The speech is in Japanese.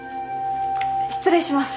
失礼します。